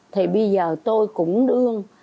thì bây giờ tôi cũng đương